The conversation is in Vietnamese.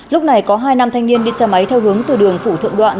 lúc này có hai nam thanh niên đi xe máy theo hướng từ đường phủ thượng đoạn